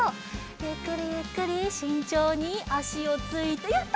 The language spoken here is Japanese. ゆっくりゆっくりしんちょうにあしをついてやった！